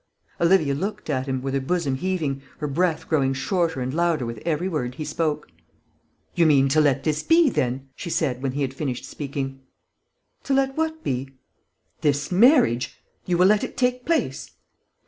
Olivia looked at him, with her bosom heaving, her breath growing shorter and louder with every word he spoke. "You mean to let this be, then?" she said, when he had finished speaking. "To let what be?" "This marriage. You will let it take place?"